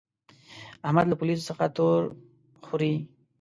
احمد له پوليسو څخه تور خوري.